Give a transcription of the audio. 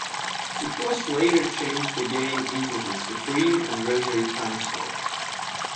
It was later changed again into the Supreme Advisory Council.